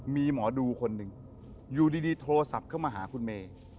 มีหมอดูคนหนึ่งอยู่ดีโทรศัพท์เข้ามาหาคุณเมย์